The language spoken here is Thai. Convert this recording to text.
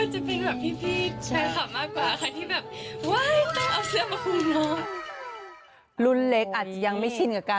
จริงประมาณไม่ได้พูดอะไรนะคะ